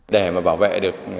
để mà bảo vệ được